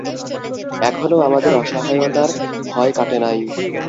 এখনও আমাদের অসহায়তার ভয় কাটে নাই।